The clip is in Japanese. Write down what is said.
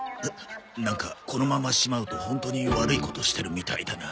なんかこのまましまうとホントに悪いことしてるみたいだな。